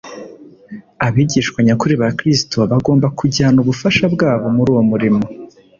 Abigishwa nyakuri ba Kristo bagomba kujyana ubufasha bwabo muri uwo murimo.